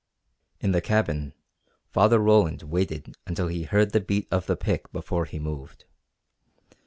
In the cabin Father Roland waited until he heard the beat of the pick before he moved.